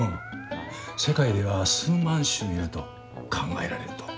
世界では数万種いると考えられる」と。